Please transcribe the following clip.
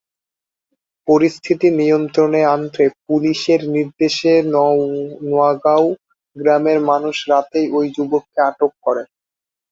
পরিস্থিতি নিয়ন্ত্রণে আনতে পুলিশের নির্দেশে নোয়াগাঁও গ্রামের মানুষই রাতেই ওই যুবককে আটক করে।